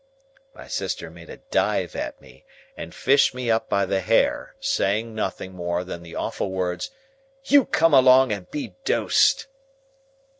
My sister made a dive at me, and fished me up by the hair, saying nothing more than the awful words, "You come along and be dosed."